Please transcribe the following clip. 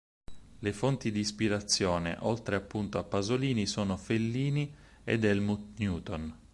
Le fonti di ispirazione, oltre appunto a Pasolini, sono Fellini ed Helmut Newton.